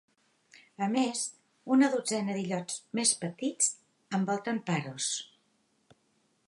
A més, una dotzena d'illots més petits envolten Paros.